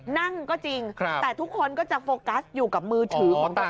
นั่งก็จริงแต่ทุกคนก็จะโฟกัสอยู่กับมือถือของต่าง